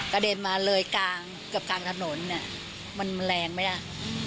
กระเด็นมาเลยกลางถนนมันแรงไม่ได้